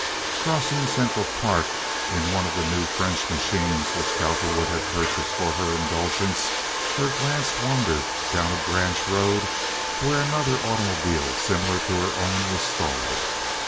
Crossing Central Park in one of the new French machines which Cowperwood had purchased for her indulgence, her glance wandered down a branch road to where another automobile similar to her own was stalled.